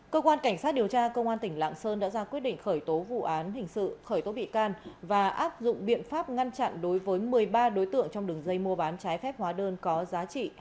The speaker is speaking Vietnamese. cơ quan cảnh sát điều tra cơ quan tỉnh lạng sơn đã ra quyết định khởi tố vụ án hình sự khởi tố bị can và áp dụng biện pháp ngăn chặn đối với một mươi ba đối tượng trong đường dây mua bán trả lời